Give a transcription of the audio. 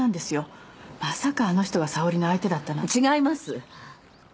まさかあの人が沙織の相手だったなんて。違います！